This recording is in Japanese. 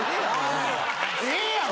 ええやろ！